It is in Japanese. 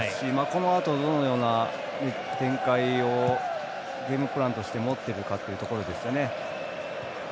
このあと、どのような展開をゲームプランとして持ってるかっていうところですよね。